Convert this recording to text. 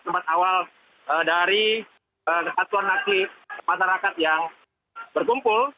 tempat awal dari kesatuan nasi masyarakat yang berkumpul